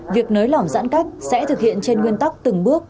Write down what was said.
việc nới lỏng giãn cách sẽ thực hiện trên nguyên tắc từng bước